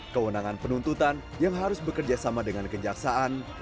kewenangan penuntutan yang harus bekerjasama dengan kenjaksaan